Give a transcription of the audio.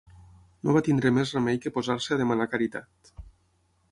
No va tenir més remei que posar-se a demanar caritat.